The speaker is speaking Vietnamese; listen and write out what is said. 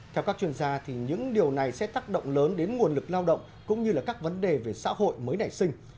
theo các chuyên gia những điều này sẽ tác động lớn đến nguồn lực lao động cũng như các vấn đề về xã hội mới nảy sinh